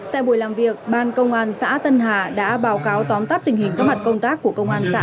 tại buổi làm việc ban công an xã tân hà đã báo cáo tóm tắt tình hình các mặt công tác của công an xã